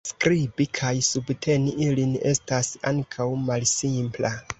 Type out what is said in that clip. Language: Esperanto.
Skribi kaj subteni ilin estas ankaŭ malsimpla.